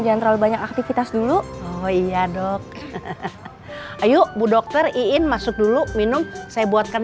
jangan terlalu banyak aktivitas dulu oh iya dok ayo bu dokter iin masuk dulu minum saya buatkan